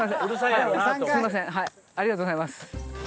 ありがとうございます。